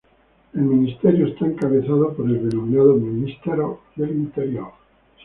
El ministerio está encabezado por el denominado Ministro del Interior.